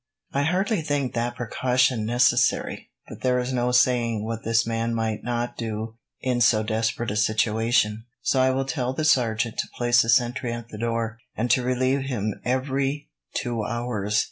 "I hardly think the precaution necessary; but there is no saying what this man might not do in so desperate a situation, so I will tell the sergeant to place a sentry at the door, and to relieve him every two hours.